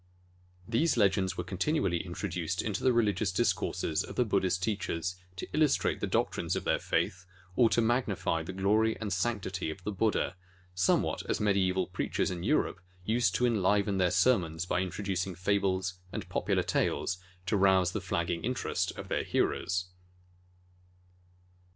These legends were continually introduced into the religious discourses of the Buddhist teachers to illus trate the doctrines of their faith or to magnify the glory and sanctity of the Buddha, somewhat as medi eval preachers in Europe used to enliven their sermons by introducing fables and popular tales to rouse the flagging interest of their hearers.